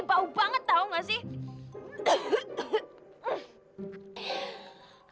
bau banget tau gak sih